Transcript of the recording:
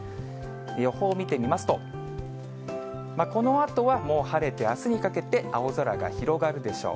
予報を見てみますと、このあとはもう晴れて、あすにかけて青空が広がるでしょう。